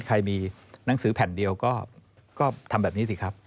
ใครมีหนังสือแผ่นเดียวก็ทำแบบนี้สิครับ